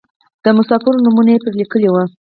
د مسافرو نومونه یې پرې لیکلي وو.